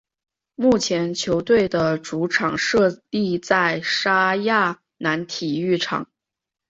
目前球队的主场设立在莎亚南体育场。